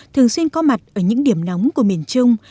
thường xuyên có mặt ở những điểm nóng của miền trung